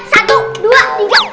satu dua tiga